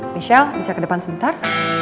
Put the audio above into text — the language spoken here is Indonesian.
michelle bisa ke depan sebentar